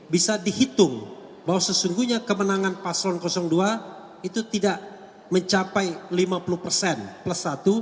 bisa dihitung bahwa sesungguhnya kemenangan paslon dua itu tidak mencapai lima puluh persen plus satu